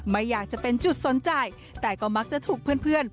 ไม่อยากจะเป็นจุดสนใจแต่ก็มักจะถูกเพื่อน